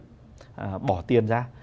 không trực tiếp bỏ tiền ra